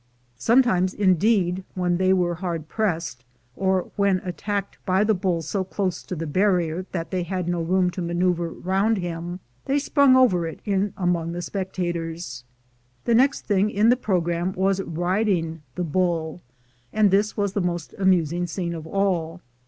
Sometimes, indeed, when they were hard pressed, or when attacked by the bull so close to the barrier that they had no room to maneuver round him, they sprang over it in among the spectators. The next thing in the program was riding the bull, and this was the most amusing scene of all.